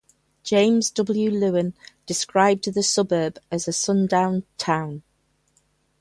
James W. Loewen described the suburb as a sundown town.